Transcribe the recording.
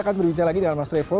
akan berbincang lagi dengan mas revo